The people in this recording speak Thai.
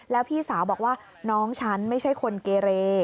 แล้วพี่สาวบอกว่าน้องฉันไม่ใช่คนเกเร